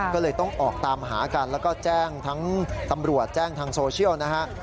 ก็เลยต้องออกตามหากันแล้วก็แจ้งทั้งตำรวจแจ้งทางโซเชียลนะฮะ